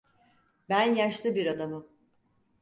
Ben yaşlı bir adamım.